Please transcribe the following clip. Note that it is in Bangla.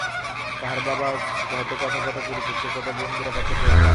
তাহার বাবা ঘাটে কথকতা করিতেছে, একথা বন্ধুরা পাছে টের পায়!